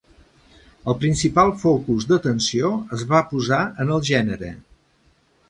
El principal focus d'atenció es va posar en el gènere.